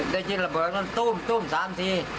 ได้ยินระเบิดนั้นตุ้ม๓ที